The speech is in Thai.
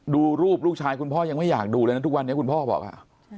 ดูรูปลูกชายคุณพ่อยังไม่อยากดูเลยนะทุกวันนี้คุณพ่อบอกอ่ะ